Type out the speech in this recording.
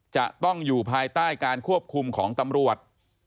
จะต้องอยู่ภายใต้การควบคุมของตำรวจ